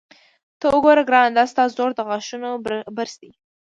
ته وګوره ګرانه، دا ستا زوړ د غاښونو برس دی.